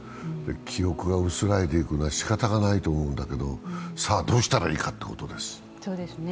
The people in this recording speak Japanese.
記憶が薄らいでいくのはしかたないことですけど、さあ、どうしたらいいかということです。